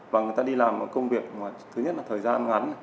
và người ta đi làm một công việc thứ nhất là thời gian ngắn